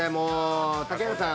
竹原さん